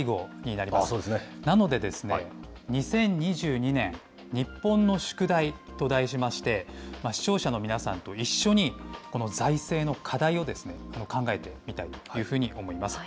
なので、２０２２年日本の宿題と題しまして、視聴者の皆さんと一緒に、この財政の課題を考えてみたいというふうに思います。